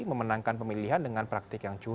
memenangkan pemilihan dengan praktik yang cukup